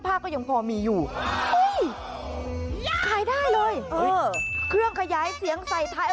มอลำคลายเสียงมาแล้วมอลำคลายเสียงมาแล้ว